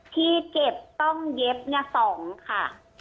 ที่เจ็บต้องเย็บ๒ค่ะ